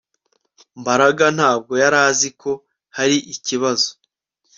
Mbaraga ntabwo yari azi ko hari ikibazo